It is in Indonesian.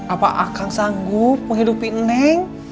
apa akang sanggup menghidupin neng